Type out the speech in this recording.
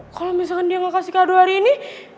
kalau misalkan dia enggak kasih kado hari ini